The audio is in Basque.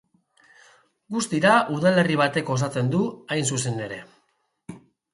Guztira udalerri batek osatzen du, hain zuzen ere.